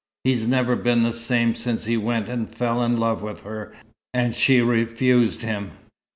He's never been the same since he went and fell in love with her, and she refused him."